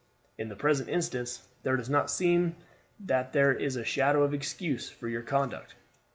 In the present instance there does not seem that there is a shadow of excuse for your conduct.